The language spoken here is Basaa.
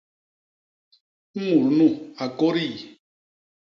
Mut nu a kôdi?